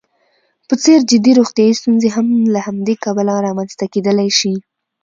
په څېر جدي روغیتايي ستونزې هم له همدې کبله رامنځته کېدلی شي.